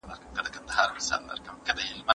تا ته به ډلي په موسکا د سهیلیو راځي